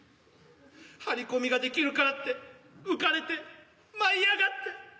張り込みができるからって浮かれて舞い上がって。